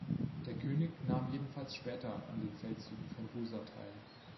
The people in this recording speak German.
Der König nahm jedenfalls später an den Feldzügen von Rusa teil.